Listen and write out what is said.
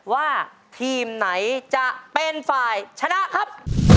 ว่าทีมไหนจะเป็นฝ่ายชนะครับ